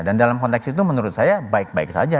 dan dalam konteks itu menurut saya baik baik saja